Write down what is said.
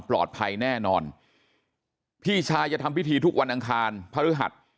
แน่นอนพี่ชายจะทำพิธีทุกวันอังคารพฤหัส